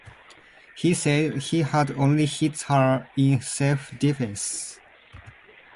He said he had only hit her in self defense.